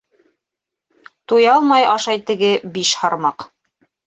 Туя алмай ашай теге биш һармаҡ.